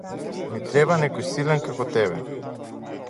Ми треба некој силен како тебе.